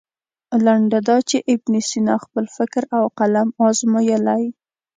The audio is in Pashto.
لنډه دا چې ابن سینا خپل فکر او قلم ازمویلی.